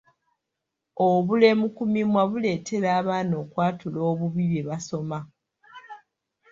Obulemu ku mimwa buleetera abaana okwatula obubi bye basoma.